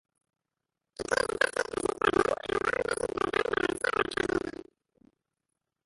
Aquest va ser possiblement el gol més important de la seua carrera.